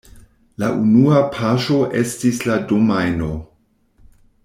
La unua paŝo estis la domajno.